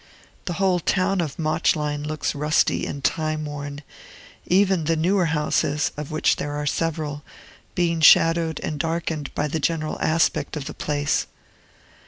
The whole town of Mauchline looks rusty and time worn, even the newer houses, of which there are several, being shadowed and darkened by the general aspect of the place.